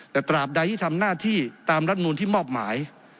แต่ตราบใดที่ทำหน้าที่ตามรัฐมนูลที่มอบหมาย